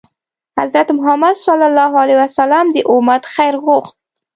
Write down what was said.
حضرت محمد ﷺ د امت خیر غوښت.